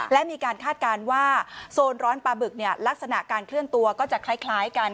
และมีการคาดการณ์ว่าโซนร้อนปลาบึกลักษณะการเคลื่อนตัวก็จะคล้ายกัน